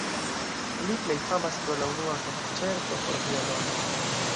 Li plej famas pro la unua konĉerto por violono.